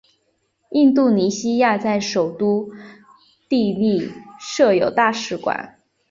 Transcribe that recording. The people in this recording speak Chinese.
印度尼西亚在首都帝力设有大使馆。